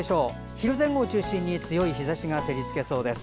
昼前後を中心に強い日ざしが照り付けそうです。